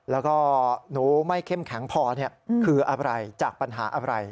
แล้วก็หนูไม่เข้มแข็งพอคืออะไรจากปัญหาอะไร